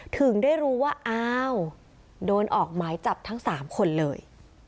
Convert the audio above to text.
ถึงได้รู้ว่าอ้าวโดนออกหมายจับทั้ง๓คนเลย